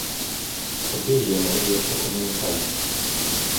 Obě ženy je však odmítají.